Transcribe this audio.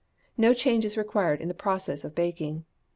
No change is required in the process of baking.